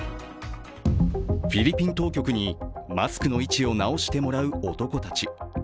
フィリピン当局にマスクの位置を直してもらう男たち。